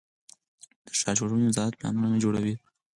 د ښار جوړونې وزارت پلانونه جوړوي